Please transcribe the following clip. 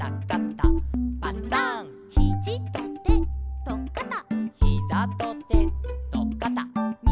「パタン」「ヒジとてとかた」